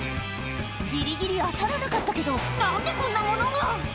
ギリギリ当たらなかったけど何でこんなものが！